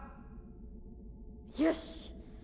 よし！